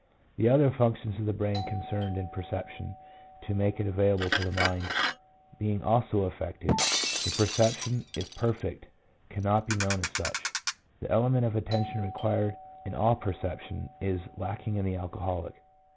The other func tions of the brain concerned in perception to make it available to the mind, being also affected, the per ception if perfect cannot be known as such. The element of attention required in all perception, is lacking in the alcoholic.